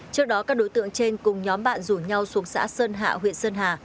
trước đó các đối tượng trên cùng nhóm bạn rủ nhau xuống xã sơn hạ huyện sơn hà